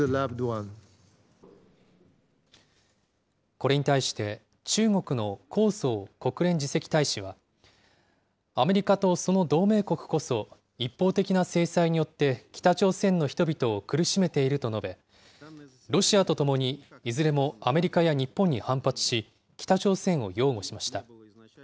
これに対して、中国の耿爽国連次席大使は、アメリカとその同盟国こそ、一方的な制裁によって北朝鮮の人々を苦しめていると述べ、ロシアとともにいずれもアメリカや日本に反発し、北朝鮮を擁護しました。